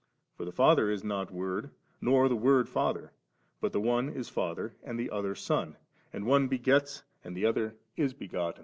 for the Father is not Word, nor the Word Father, but the one is Father, and the other Son; and one b^ets, and the other is be gotten.